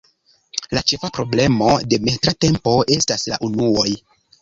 La ĉefa problemo de metra tempo estas la unuoj.